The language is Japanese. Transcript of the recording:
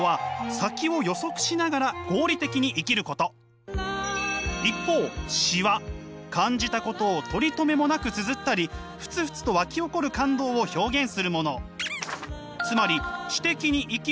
すなわち一方詩は感じたことを取りとめもなくつづったりふつふつとわき起こる感動を表現するもの。